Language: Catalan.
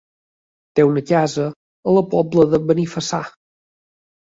Té una casa a la Pobla de Benifassà.